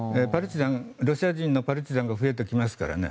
ロシア人のパルチザンが増えてきますからね。